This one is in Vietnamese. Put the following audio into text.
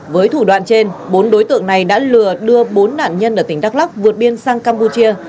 với thủ đoạn trên bốn đối tượng này đã lừa đưa bốn nạn nhân ở tỉnh đắk lắc vượt biên sang campuchia